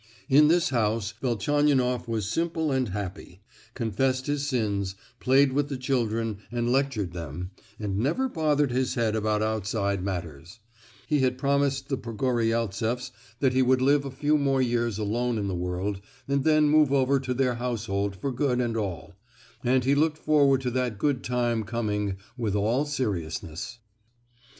In this house Velchaninoff was simple and happy, confessed his sins, played with the children and lectured them, and never bothered his head about outside matters; he had promised the Pogoryeltseffs that he would live a few more years alone in the world, and then move over to their household for good and all; and he looked forward to that good time coming with all seriousness.